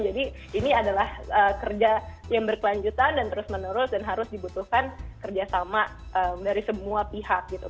jadi ini adalah kerja yang berkelanjutan dan terus menerus dan harus dibutuhkan kerjasama dari semua pihak gitu